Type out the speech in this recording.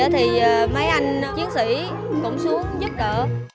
thì mấy anh chiến sĩ cũng xuống giúp đỡ